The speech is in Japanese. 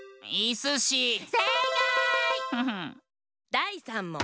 だい３もん！